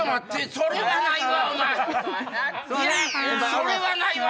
それはないわ！